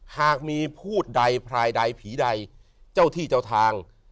หากมีผู้ใดพรายใดผีใดเจ้าที่เจ้าทาง